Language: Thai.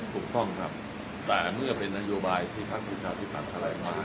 ถูกต้องครับแต่เมื่อเป็นนโยบายที่ภาคปริษัทที่ฝั่งทรัยไม้